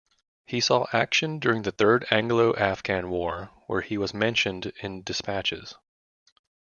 He saw action during the Third Anglo-Afghan War, where he was Mentioned in Despatches.